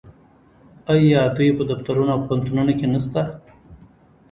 آیا دوی په دفترونو او پوهنتونونو کې نشته؟